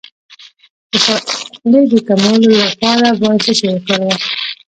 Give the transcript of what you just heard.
د خولې د کمولو لپاره باید څه شی وکاروم؟